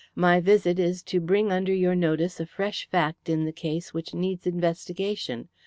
"My visit is to bring under your notice a fresh fact in the case which needs investigation.